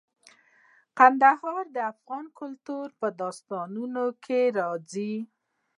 کندهار د افغان کلتور په داستانونو کې راځي.